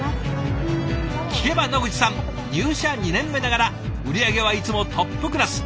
聞けば野口さん入社２年目ながら売り上げはいつもトップクラス。